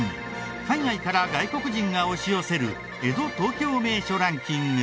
海外から外国人が押し寄せる江戸・東京名所ランキング。